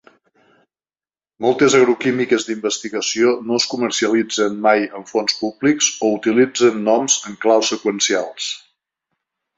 Moltes agroquímiques d'investigació no es comercialitzen mai amb fons públics o utilitzen noms en clau seqüencials.